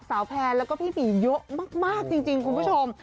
แพนแล้วก็พี่หมีเยอะมากจริงคุณผู้ชม